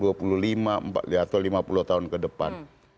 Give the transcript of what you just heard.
lihat atau lima puluh tahun ke depan